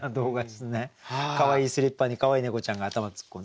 かわいいスリッパにかわいい猫ちゃんが頭突っ込んで。